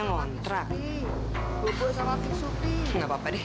nggak apa apa deh